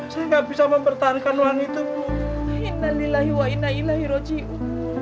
saya gak bisa mempertahankan uang itu bu